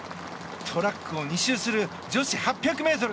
トラックを２周する女子８００ｍ。